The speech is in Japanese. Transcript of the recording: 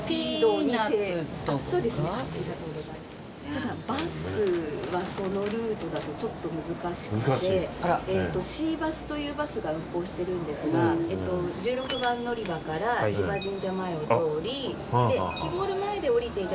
ただバスはそのルートだとちょっと難しくてＣ−ｂｕｓというバスが運行してるんですが１６番乗り場から千葉神社前を通りきぼーる前で降りて頂きますとそこから。